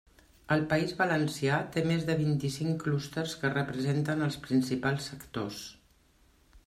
El País Valencià té més de vint-i-cinc clústers que representen els principals sectors.